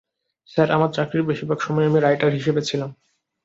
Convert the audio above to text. Sir, আমার চাকরির বেশিরভাগ সময়ই আমি রাইটার হিসেবে ছিলাম।